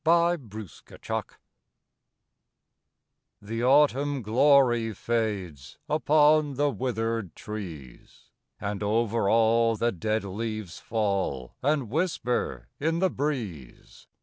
IN AN OLD GARDEN The autumn glory fades Upon the withered trees; And over all the dead leaves fall And whisper in the breeze.